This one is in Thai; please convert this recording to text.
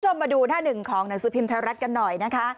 มาดูหน้าหนึ่งของหนังสือพิมพ์ไทยรัฐกันหน่อยนะคะ